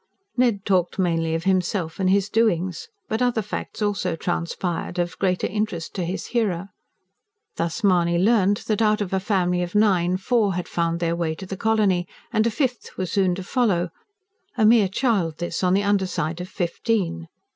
Ned talked mainly of himself and his doings. But other facts also transpired, of greater interest to his hearer. Thus Mahony learned that, out of a family of nine, four had found their way to the colony, and a fifth was soon to follow a mere child this, on the under side of fifteen.